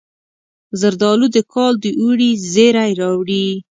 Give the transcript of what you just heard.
زردالو د کال د اوړي زیری راوړي.